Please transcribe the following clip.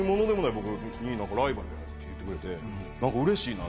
僕に「ライバルや」って言うてくれて何かうれしいなと。